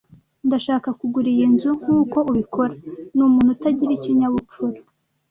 Ndashaka kugura iyi nzu nkuko ubikora. Ni umuntu utagira ikinyabupfura.